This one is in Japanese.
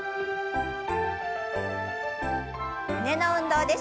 胸の運動です。